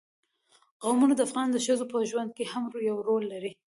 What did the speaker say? قومونه د افغان ښځو په ژوند کې هم یو رول لري.